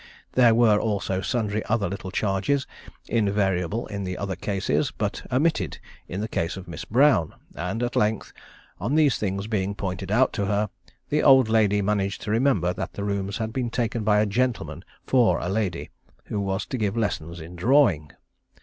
There were also sundry other little charges invariable in the other cases, but omitted in the case of Miss Brown; and at length, on these things being pointed out to her, the old lady managed to remember that the rooms had been taken by a gentleman for a lady who was to give lessons in drawing.